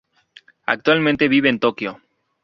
Actualmente, vive en Tokio.